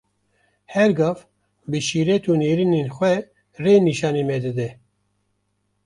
Her gav bi şîret û nêrînên xwe, rê nîşanî me dide.